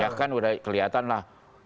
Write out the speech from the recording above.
ya kan udah kelihatan lah